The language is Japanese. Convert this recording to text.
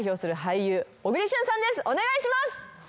お願いします